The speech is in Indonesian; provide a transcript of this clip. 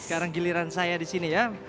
sekarang giliran saya di sini ya